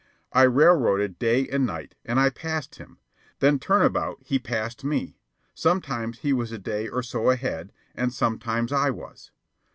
I "railroaded" day and night, and I passed him; then turn about he passed me. Sometimes he was a day or so ahead, and sometimes I was.